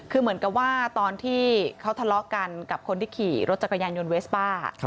คือเหมือนกับว่าตอนที่เขาทะเลาะกันกับคนที่ขี่รถจักรยานยนต์เวสป้า